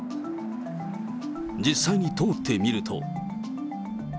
実際に通ってみると。